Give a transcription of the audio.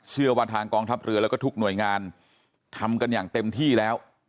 เชื่อว่าทางกองทัพเรือแล้วก็ทุกหน่วยงานทำกันอย่างเต็มที่แล้ว